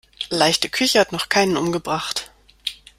Leichte Küche hat noch keinen umgebracht.